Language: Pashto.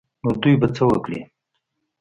نو دوى به څه وکړي.